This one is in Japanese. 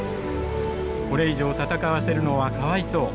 「これ以上戦わせるのはかわいそう。